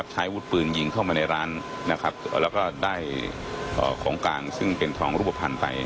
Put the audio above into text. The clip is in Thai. แล้วก็ได้ของกลางซึ่งเป็นท้องรูปภัณฑ์ไป